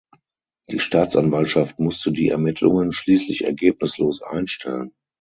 Die Staatsanwaltschaft musste die Ermittlungen schließlich ergebnislos einstellen.